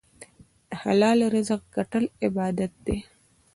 د حلال رزق ګټل عبادت دی.